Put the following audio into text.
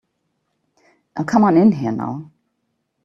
Come on in here now.